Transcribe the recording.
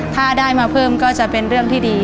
ถ้าได้มาเพิ่มก็จะเป็นเรื่องที่ดี